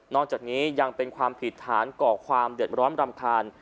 จากนี้ยังเป็นความผิดฐานก่อความเดือดร้อนรำคาญ